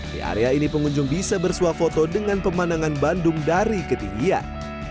di area ini pengunjung bisa bersuah foto dengan pemandangan bandung dari ketinggian